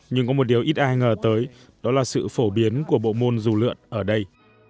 nhưng có một điều ít ai ngờ tới đó là sự phổ biến của bộ môn dù lượn ở đây